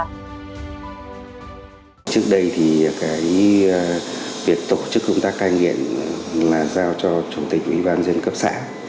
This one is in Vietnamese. trước đây thì việc tổ chức công tác tai nghiệp là giao cho chủ tịch ủy ban dân cấp xã